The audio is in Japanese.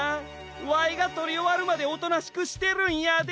わいがとりおわるまでおとなしくしてるんやで。